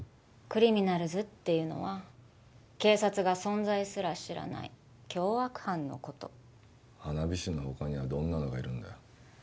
クリミナルズっていうのは警察が存在すら知らない凶悪犯のこと花火師の他にはどんなのがいるんだよ